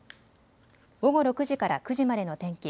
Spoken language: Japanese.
午後６時から９時までの天気。